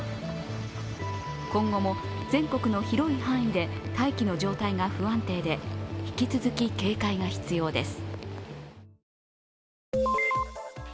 今後も全国の広い範囲で大気の状態が不安定で引き続き、警戒が必要です。